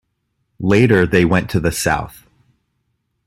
Later they went to the south.